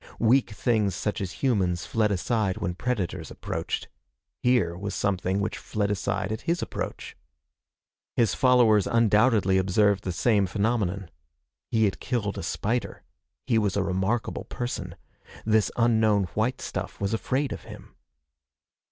Weak things such as humans fled aside when predators approached. Here was something which fled aside at his approach. His followers undoubtedly observed the same phenomenon. He had killed a spider. He was a remarkable person. This unknown white stuff was afraid of him.